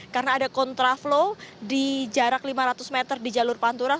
karena ada kontraflow di jarak lima ratus meter di jalur pantura